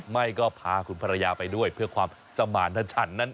ไม่ก็พาคุณภรรยาไปด้วยเพื่อความสมารถฉันนั้น